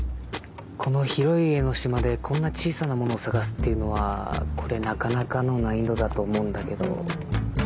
この広い江の島でこんな小さなものを捜すっていうのはこれなかなかの難易度だと思うんだけど。